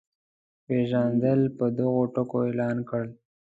پېژندل په دغو ټکو اعلان کړل.